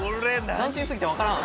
斬新過ぎて分からん。